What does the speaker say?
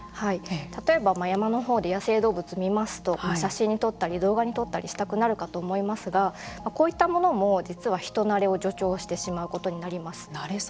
例えば、山のほうで野生動物を見ますと写真に撮ったり動画に撮ったりしたくなるかと思いますがこういったものも実は人慣れを助長してしまうことにもなります。